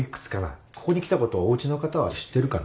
ここに来たことおうちの方は知ってるかな？